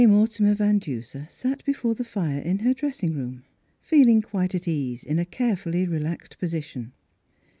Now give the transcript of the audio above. Mortimer Van Duser sat before the fire in her dressing room, feeling quite at ease in a carefully relaxed position.